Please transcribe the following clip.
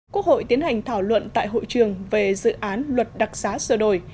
quốc hội tiến hành thảo luận tại hội trường về dự án luật đặc xá sửa đổi